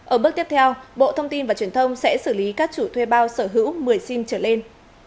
ở bước tiếp theo bộ thông tin và truyền thông sẽ xử lý các chủ thuê bao sở hữu một mươi sim trở lên